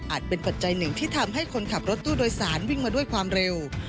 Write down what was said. เป็นปัจจัยหนึ่งที่ทำให้คนขับรถตู้โดยสารวิ่งมาด้วยความเร็ว